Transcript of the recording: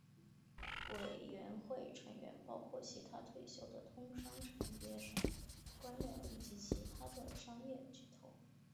委员会成员包括其它退休的通商产业省官僚以及其它的商业巨头。